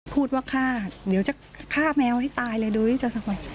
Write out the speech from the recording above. พูดว่าฆ่าเดี๋ยวจะฆ่าแมวให้ตายเลยดูวิจัยสมัย